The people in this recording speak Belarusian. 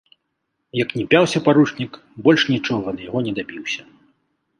Як ні пяўся паручнік, больш нічога ад яго не дабіўся.